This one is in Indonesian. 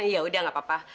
ya udah gak apa apa